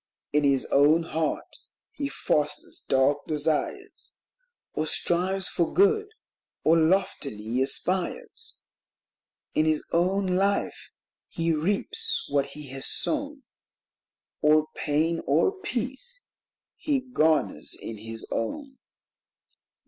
In his own heart he fosters dark desires, Or strives for good, or loftily aspires ; In his own life he reaps what he has sown, Or pain or peace, he garners in his own.